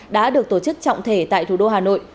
đã được tổ chức trọng thể tại thủ đô hà nội